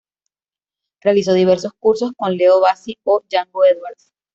Realizó diversos cursos con Leo Bassi o Jango Edwards.